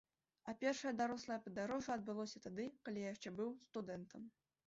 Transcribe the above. А першае дарослае падарожжа адбылося тады, калі я яшчэ быў студэнтам.